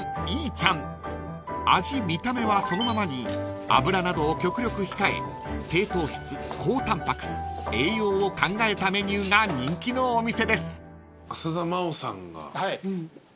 ［味見た目はそのままに油などを極力控え低糖質高タンパク栄養を考えたメニューが人気のお店です］